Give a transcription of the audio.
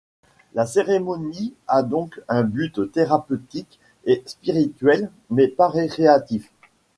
La cérémonie a donc un but thérapeutique et spirituel mais pas récréatif.